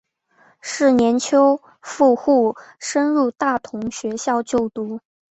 是年秋赴沪升入大同学校就读。